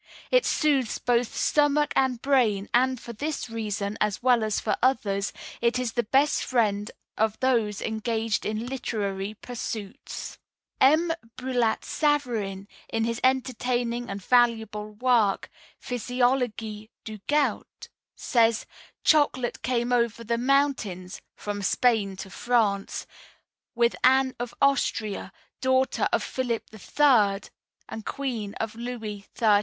It soothes both stomach and brain, and for this reason, as well as for others, it is the best friend of those engaged in literary pursuits." M. Brillat Savarin, in his entertaining and valuable work, Physiologie du Goût, says: "Chocolate came over the mountains [from Spain to France] with Anne of Austria, daughter of Philip III and queen of Louis XIII.